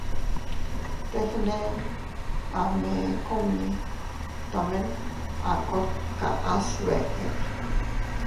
Teg nden a mee kunni, tomen a kot kaʼa sbeʼe.